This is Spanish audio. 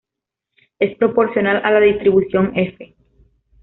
Es proporcional a la distribución "F".